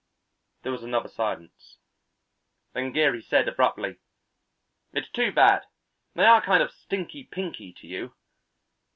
There was another silence. Then Geary said abruptly: "It's too bad. They are kind of stinky pinky to you."